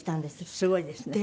すごいですね。